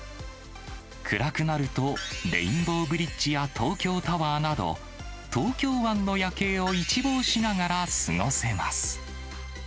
暗くなると、レインボーブリッジや東京タワーなど、東京湾の夜景を一望しながら過ごせます。